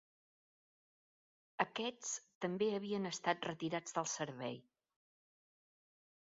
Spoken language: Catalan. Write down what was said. Aquests també havien estat retirats del servei.